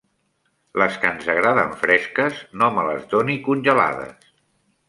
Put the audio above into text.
Les que ens agraden fresques; no me les doni congelades.